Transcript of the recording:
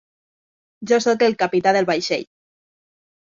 Jo soc el capità del vaixell.